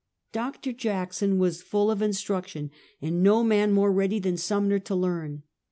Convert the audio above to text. Dr. Jackson was full of instruc tion, and no man more ready than Sumner to learn.